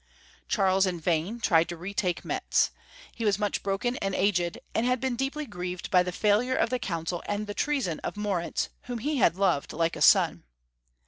Charles in vain tried to retake Metz. He was much broken and aged, and had been deeply grieved by the failure of the Council and the treason of Moritz, whom he had loved like a son.